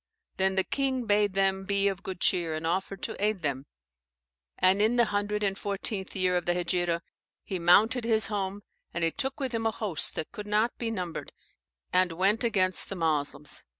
Then the king bade them be of good cheer, and offered to aid them. And in the 114th year [Of the Hegira.] he mounted his home, and he took with him a host that could not be numbered, and went against the Moslems.